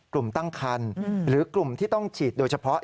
กลุ่มตั้งครรภ์หรือกลุ่มที่ต้องฉีดโดยเฉพาะ